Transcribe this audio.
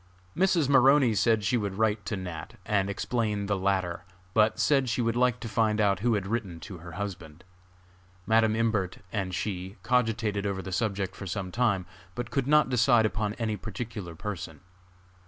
Mrs. Maroney said she would write to Nat. and explain the matter, but said she would like to find out who had written to her husband. Madam Imbert and she cogitated over the subject for some time, but could not decide upon any particular person.